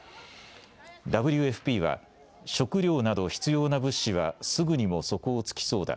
ＷＦＰは食料など必要な物資はすぐにも底をつきそうだ。